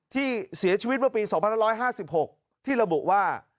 ที่เสียชีวิตเมื่อปี๒๕๕๖ที่ระบุว่า